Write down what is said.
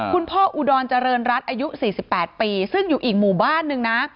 คุณพ่ออุดรเจริญรัฐอายุ๔๘ปีซึ่งอยู่อีกหมู่บ้านนึงนะ